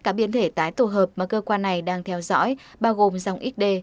tất cả biến thể tái tổ hợp mà cơ quan này đang theo dõi bao gồm dòng xd